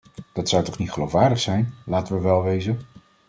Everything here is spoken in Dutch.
Dat zou toch niet geloofwaardig zijn, laten we wel wezen.